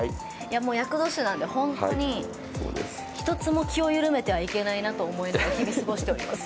厄年なので、ほんとに一つも気を緩めてはいけないなと思いながら日々過ごしております。